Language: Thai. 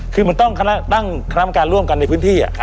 คือมันต้องตั้งคณะกรรมการร่วมกันในพื้นที่